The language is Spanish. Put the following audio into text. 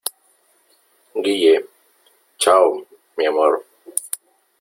¡ guille ! chao , mi amor .